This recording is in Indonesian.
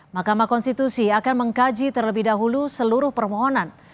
mahkamah konstitusi akan mengkaji terlebih dahulu seluruh permohonan